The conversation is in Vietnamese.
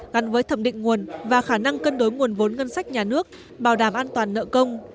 gắn với thẩm định nguồn và khả năng cân đối nguồn vốn ngân sách nhà nước bảo đảm an toàn nợ công